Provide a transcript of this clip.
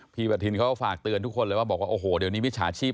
ประทินเขาก็ฝากเตือนทุกคนเลยว่าบอกว่าโอ้โหเดี๋ยวนี้มิจฉาชีพ